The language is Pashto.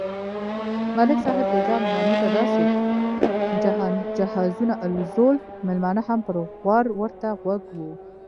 ملک صاحب بیگا مېلمنوته داسې جهازونه الوزول، مېلمانه هم په غور ورته غوږ و.